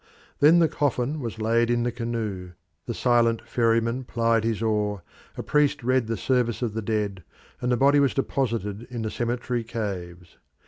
Then the coffin was laid in the canoe, the silent ferryman plied his oar, a priest read the service of the dead, and the body was deposited in the cemetery caves.